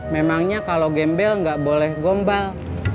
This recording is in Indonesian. memangnya kalau gembel nggak boleh gombal